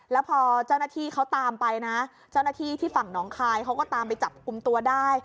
แล้วพอเจ้าหน้าที่เขาตามไปนะเจ้าหน้าที่ที่ฝั่งน้องคายเขาก็ตามไปจับกลุ่มตัวได้